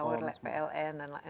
tower pln dan lain sebagainya